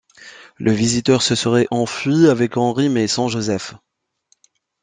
Le Visiteur se serait enfui avec Henry mais sans Joseph.